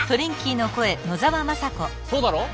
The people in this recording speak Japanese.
そうだろう？